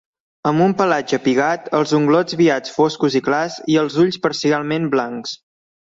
Amb un pelatge pigat, els unglots viats foscos i clars i els ulls parcialment blancs.